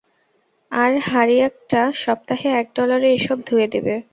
আর হানিয়াকটা সপ্তাহে এক ডলারে এসব ধুয়ে দেবে।